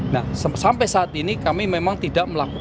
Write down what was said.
nah sampai saat ini kami memang tidak melakukan